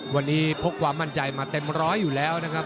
วันนี้พกความมั่นใจมาเต็มร้อยอยู่แล้วนะครับ